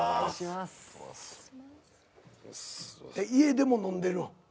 家でも飲んでるん？